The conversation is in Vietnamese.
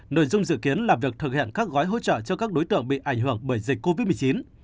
nội dung dự kiến là việc thực hiện các gói hỗ trợ cho các đối tượng bị ảnh hưởng bởi dịch covid một mươi chín